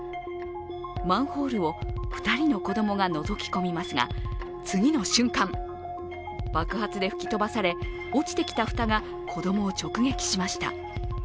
マンホールを２人の子供がのぞき込みますが、次の瞬間、爆発で吹き飛ばされ、落ちてきた蓋が子供を直撃しました。